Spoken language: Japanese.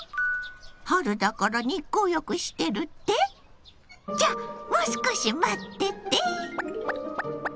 春だから日光浴してるって⁉じゃあもう少し待ってて！